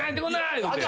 言うて。